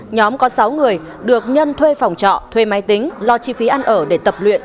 nhóm có sáu người được nhân thuê phòng trọ thuê máy tính lo chi phí ăn ở để tập luyện